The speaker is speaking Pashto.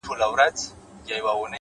هوډ د ناممکن کلمه کمزورې کوي’